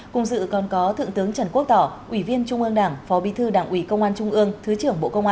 cùng dự còn có thượng tướng trần quốc tỏ ủy viên trung ương đảng phó bí thư đảng ủy công an trung ương thứ trưởng bộ công an